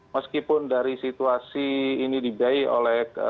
meskipun dari situasi ini dibiayai oleh